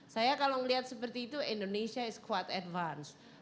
saya kalau melihat seperti itu indonesia is quote advance